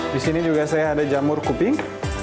di sini juga saya ada jamur kuping